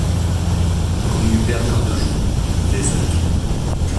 Rue Bernard Dejou, Vézac